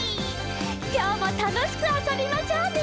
きょうもたのしくあそびましょうね！